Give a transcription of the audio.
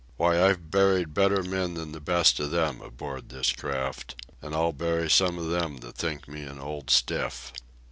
Why, I've buried better men than the best of them aboard this craft. And I'll bury some of them that think me an old stiff."